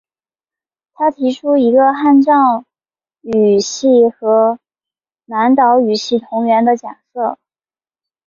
他第一个提出汉藏语系和南岛语系同源的假设。